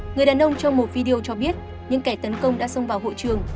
người đàn ông trong một video cho biết những kẻ tấn công đã xông vào hội trường